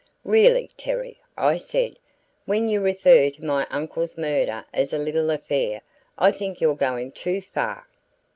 "Really, Terry," I said, "when you refer to my uncle's murder as a 'little affair' I think you're going too far!"